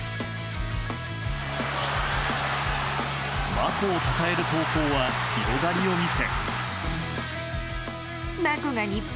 マコをたたえる投稿は広がりを見せ。